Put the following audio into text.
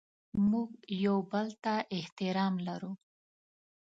موږ یو بل ته احترام لرو.